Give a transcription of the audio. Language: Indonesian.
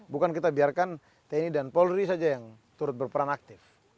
bukan kita biarkan tni dan polri saja yang turut berperan aktif